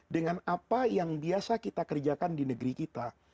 dengan apa yang biasa kita kerjakan di negeri kita